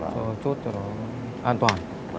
cho chốt cho nó an toàn